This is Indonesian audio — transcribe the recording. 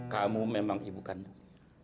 kamu memang ibu kandang